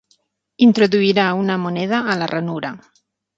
Introduirà una moneda a la ranura.